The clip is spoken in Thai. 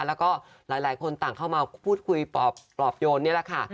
แล้วก็หลายคนต่างเข้ามาพูดคุยปลอบโยนนี่แหละค่ะ